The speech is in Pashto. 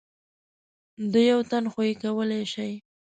د یو تن خو یې کولای شئ .